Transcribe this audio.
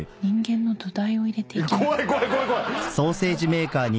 怖い怖い怖い怖い！